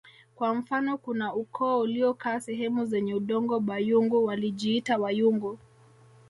Kwa mfano kuna ukoo uliokaa sehemu zenye udongo Bayungu walijiita Wayungu